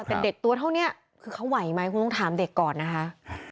แต่เด็กตัวเท่านี้คือเขาไหวไหมคุณต้องถามเด็กก่อนนะคะ